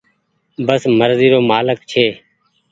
بس مرزي رو مآلڪ ڇي۔